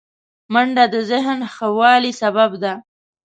منډه د ذهن ښه والي سبب ده